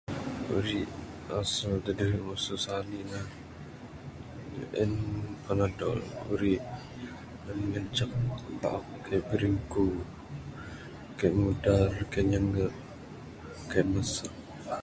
Uri asal da adeh masu sani ne en Panadol uri da ngancak kaik bringku kaik mudar kaik nyingek kaik mesek.